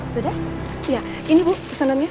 jadi ini bu pesenannya